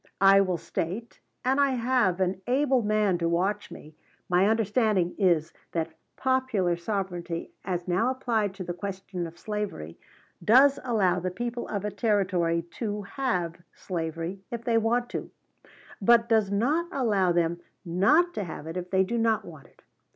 I will state and I have an able man to watch me my understanding is that Popular Sovereignty, as now applied to the question of slavery, does allow the people of a Territory to have slavery if they want to, but does not allow them not to have it if they do not want it.